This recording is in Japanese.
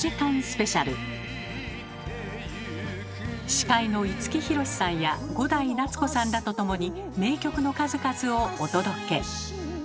司会の五木ひろしさんや伍代夏子さんらと共に名曲の数々をお届け。